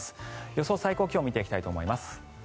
予想最高気温見ていきたいと思います。